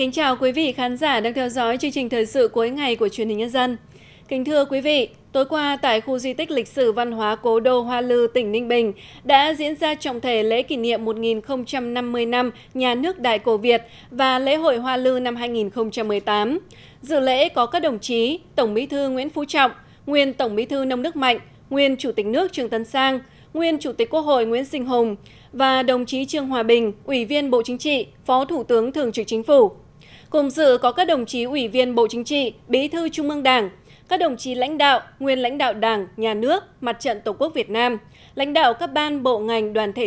chào mừng quý vị đến với bộ phim hãy nhớ like share và đăng ký kênh của chúng mình nhé